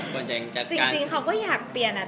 จริงเขาก็อยากเปลี่ยนอ่ะ